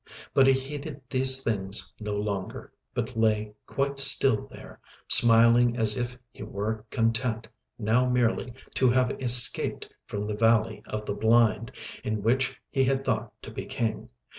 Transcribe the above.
But he heeded these things no longer, but lay quite still there, smiling as if he were content now merely to have escaped from the valley of the Blind, in which he had thought to be King.